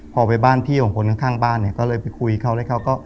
พอไปบ้านพี่ของคนข้างบ้านเนี่ยก็เลยไปคุยเขาแล้วเขาก็